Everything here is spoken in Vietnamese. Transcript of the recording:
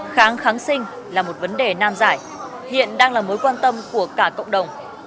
kháng kháng sinh là một vấn đề nam giải hiện đang là mối quan tâm của cả cộng đồng